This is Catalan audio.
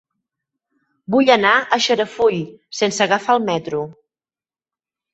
Vull anar a Xarafull sense agafar el metro.